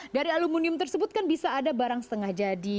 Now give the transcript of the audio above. dari aluminium tersebut kan bisa ada barang setengah jadi